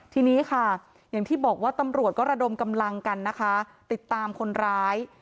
ทีนี้ค่ะอย่างที่บอกว่าตำรวจก็ระดมกำลังกันนะคะติดตามคนร้าย